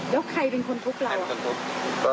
แล้วใครเป็นทุกข์แหลว